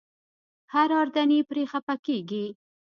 هر اردني پرې خپه کېږي.